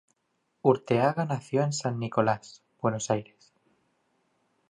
Urteaga nació en San Nicolás, Buenos Aires.